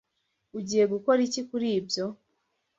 Ugiye gukora iki kuri ibyo?